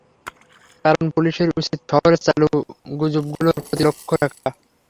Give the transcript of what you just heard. কারণ পুলিশের উচিত শহরের চালু গুজবগুলোর প্রতি লক্ষ রাখা।